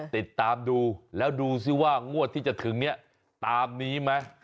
ติดตามดูแล้วดูซิว่างวดที่จะถึงเนี่ยตามนี้ไหม